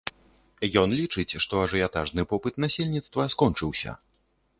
Ён лічыць, што ажыятажны попыт насельніцтва скончыўся.